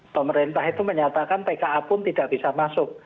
pemerintah itu menyatakan pka pun tidak bisa masuk